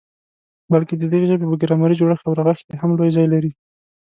بلکي د دغي ژبي په ګرامري جوړښت او رغښت کي هم لوی ځای لري.